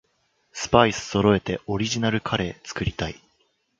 スパイスそろえてオリジナルカレー作りたい